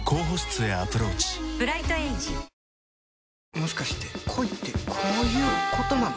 もしかして恋ってこういうことなの？